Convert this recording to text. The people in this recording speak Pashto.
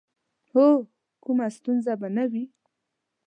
هو، کومه ستونزه به نه وي.